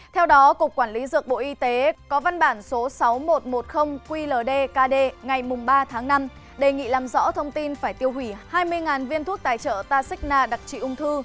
theo đó cục quản lý dược bộ y tế có văn bản số sáu nghìn một trăm một mươi qldkd ngày ba tháng năm đề nghị làm rõ thông tin phải tiêu hủy hai mươi viên thuốc tài trợ taxina đặc trị ung thư